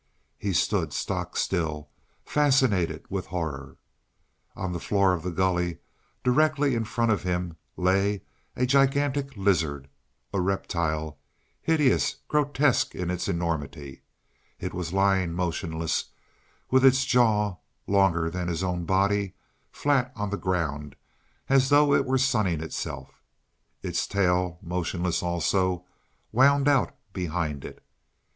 He stood stock still, fascinated with horror. On the floor of the gully, directly in front of him, lay a gigantic lizard a reptile hideous, grotesque in its enormity. It was lying motionless, with its jaw, longer than his own body, flat on the ground as though it were sunning itself. Its tail, motionless also, wound out behind it.